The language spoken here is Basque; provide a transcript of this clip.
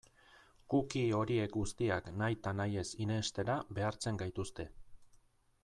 Cookie horiek guztiak nahi eta nahi ez irenstera behartzen gaituzte.